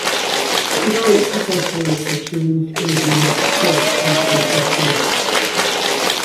He played professionally for teams in the United States and Argentina.